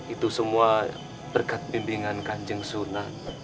itu semua berkat pimpinan kanjeng sunal